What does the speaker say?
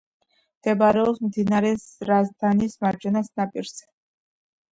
მდებარეობს მდინარე რაზდანის მარჯვენა ნაპირზე.